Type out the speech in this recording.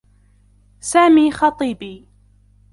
سامي خطيبي.